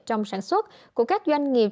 trong sản xuất của các doanh nghiệp